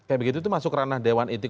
kayak begitu itu masuk ranah dewan etik